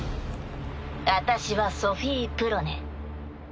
私はソフィ・プロネ。